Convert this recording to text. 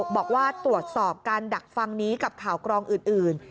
บอกว่าตรวจสอบการดักฟังนี้กับข่าวกรองอื่น